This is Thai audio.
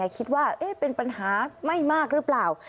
คิดว่าเป็นปัญหาไม่มากหรือเปล่า